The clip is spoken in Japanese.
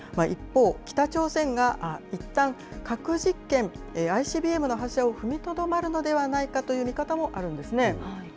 一方、北朝鮮がいったん核実験・ＩＣＢＭの発射を踏みとどまるのではないかという見方もあるんですね。